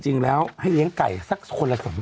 ใช่ค่ะ